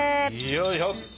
よいしょ！